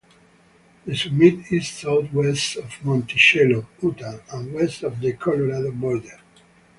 The summit is southwest of Monticello, Utah and west of the Colorado border.